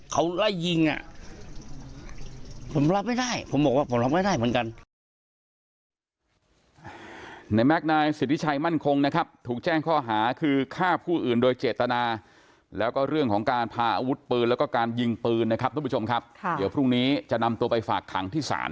เขาไล่ยิงอ่ะผมรับไม่ได้ผมบอกว่าผมรับไม่ได้เหมือนกัน